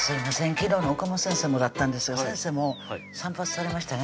昨日の岡本先生もだったんですが先生も散髪されましたね